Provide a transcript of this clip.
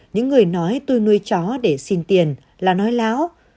những người nói tôi nuôi chó để xin tiền là nói láo